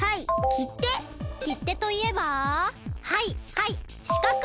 きってといえばはいはいしかく！